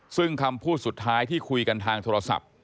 ซึ่งคำพูดสุดท้ายที่คุยกันทางโทรศัพท์